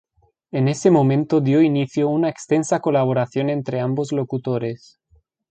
En ese momento dio inicio una extensa colaboración entre ambos locutores.